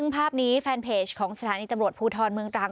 ภาพนี้แฟนเพจของสถานีตำรวจภูทรเมืองตรัง